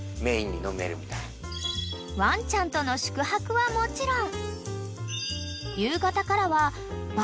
［ワンちゃんとの宿泊はもちろん］